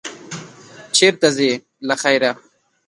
چېرته ځې، له خیره؟